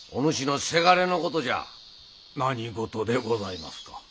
何事でございますか？